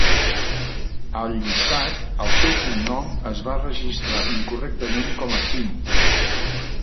Al llistat, el seu cognom es va registrar incorrectament com a "Fynn".